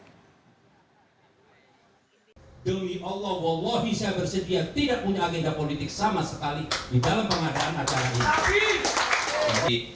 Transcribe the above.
demi allah wallahi saya bersyukur tidak punya agenda politik sama sekali di dalam pengadaan agama ini